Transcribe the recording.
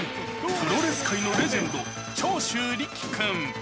プロレス界のレジェンド、長州力君。